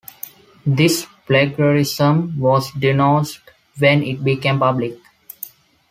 This plagiarism was "denounced" when it became public.